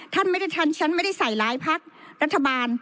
ท่านไม่ได้ทันฉันไม่ได้ใส่ร้ายพักรัฐบาล